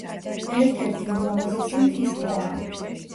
ერთ-ერთი ულამაზესი მთის ტბაა.